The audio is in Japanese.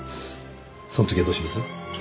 その時はどうします？